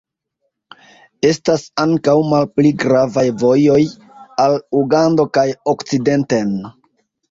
Estas ankaŭ malpli gravaj vojoj al Ugando kaj okcidenten.